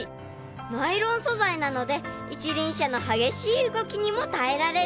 ［ナイロン素材なので一輪車の激しい動きにも耐えられる］